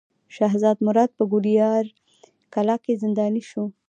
شهزاده مراد په ګوالیار کلا کې زنداني شو.